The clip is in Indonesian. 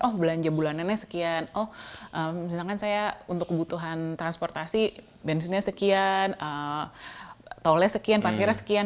oh belanja bulanannya sekian oh misalkan saya untuk kebutuhan transportasi bensinnya sekian tolnya sekian parkirnya sekian